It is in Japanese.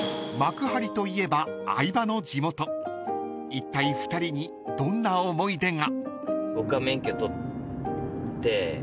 ［いったい２人にどんな思い出が？］